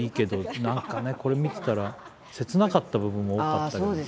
何かねこれ見てたら切なかった部分も多かったけど。